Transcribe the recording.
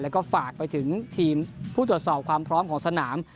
แล้วก็ฝากไปถึงทีมผู้ตรวจสอบความพร้อมของสนาม